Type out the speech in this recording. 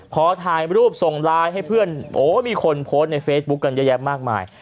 พอถ่ายรูปส่งไลน์ให้เพื่อนโอ้มีคนโพสต์ในเฟซบุ๊คกันเยอะแยะมากมาย